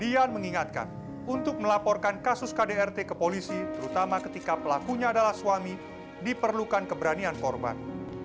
dian mengingatkan untuk melaporkan kasus kdrt ke polisi terutama ketika pelakunya adalah suami diperlukan keberanian korban